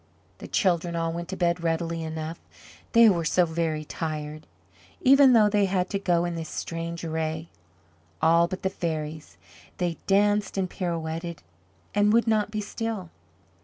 The children all went to bed readily enough, they were so very tired, even though they had to go in this strange array. All but the fairies they danced and pirouetted and would not be still.